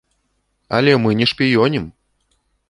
Але мы не шпіёнім!